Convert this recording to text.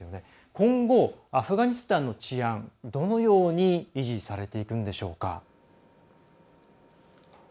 今後、アフガニスタンの治安どのように維持されていくんでしょうか。